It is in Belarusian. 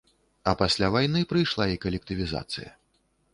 А пасля вайны прыйшла і калектывізацыя.